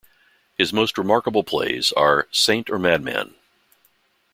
His most remarkable plays are "Saint or Madman?